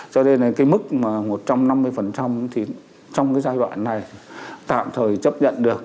cho nên là cái mức mà một trăm năm mươi thì trong cái giai đoạn này tạm thời chấp nhận được